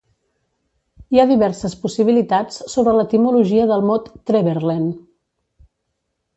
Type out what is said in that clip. Hi ha diverses possibilitats sobre l'etimologia del mot "Treverlen".